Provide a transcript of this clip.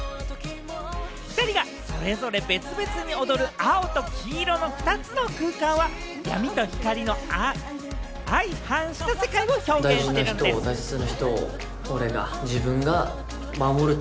２人がそれぞれ別々に踊る、青と黄色の２つの空間は闇と光の相反した世界を表現しているんでぃす。